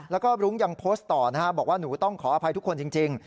แล้วก็รุ้งยังโพสต์ต่อนะฮะบอกว่าหนูต้องขออภัยทุกคนจริง